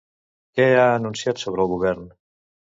Què ha anunciat sobre el Govern?